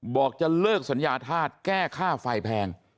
บอกจะเลิกสัญญาธาตุแก้ค่าไฟแพง